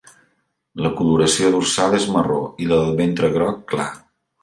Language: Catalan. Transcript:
La coloració dorsal és marró i la del ventre groc clar.